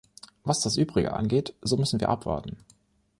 Was das Übrige angeht, so müssen wir abwarten.